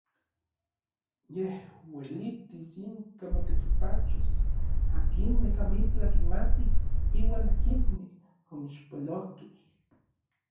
Yej uelitis inka motekipachos akinmej amitlaj kimatij iuan akinmej omixpolojkej.